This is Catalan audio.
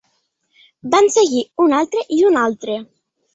Van seguir un altre i un altre.